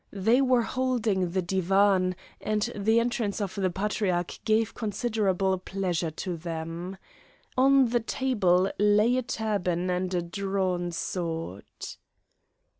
They were holding the Divan, and the entrance of the Patriarch gave considerable pleasure to them. On the table lay a turban and a drawn sword.